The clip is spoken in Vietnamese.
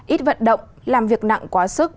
ít vận động làm việc nặng quá sức